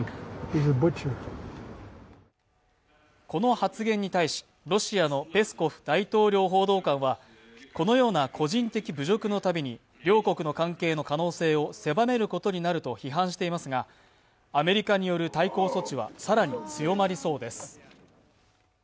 この発言に対し、ロシアのペスコフ大統領報道官はこのような個人的侮辱のたびに、両国の関係の可能性を狭めることになると批判していますが、アメリカによる対抗措置は更に強まりそうです。